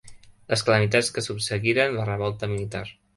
Les calamitats que subseguiren la revolta militar.